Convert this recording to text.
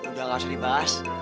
udah gak usah dibahas